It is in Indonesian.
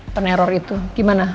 peneror itu gimana